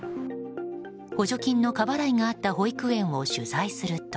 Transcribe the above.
補助金の過払いがあった保育園を取材すると。